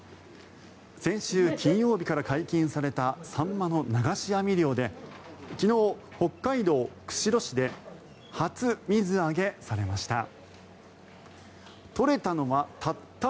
先週金曜日から解禁されたサンマの流し網漁で昨日、北海道釧路市で初水揚げされました。